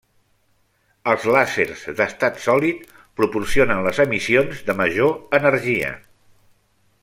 Els làsers d'estat sòlid proporcionen les emissions de major energia.